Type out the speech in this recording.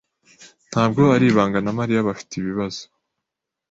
Ntabwo ari ibanga na Mariya bafite ibibazo.